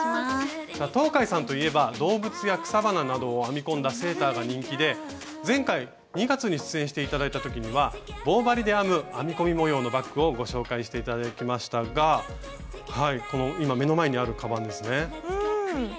東海さんといえば動物や草花などを編み込んだセーターが人気で前回２月に出演して頂いた時には棒針で編む編み込み模様のバッグをご紹介して頂きましたがこの今目の前にあるカバンですね。